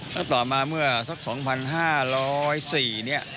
แล้วต่อมาเมื่อสัก๒๕๐๔เนี่ย